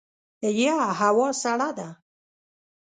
یه هوا سړه ده !